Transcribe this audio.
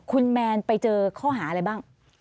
คุณแมนไปเจอข้อหาอะไรบ้าง